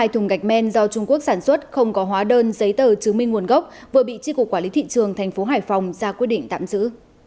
một mươi hai bảy trăm sáu mươi hai thùng gạch men do trung quốc sản xuất không có hóa đơn giấy tờ chứng minh nguồn gốc vừa bị tri cục quản lý thị trường tp hải phòng ra quyết định tạm giữ